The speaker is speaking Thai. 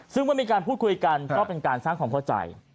ซึ่งเมื่อมีการพูดคุยกันก็เป็นการสร้างความเข้าใจ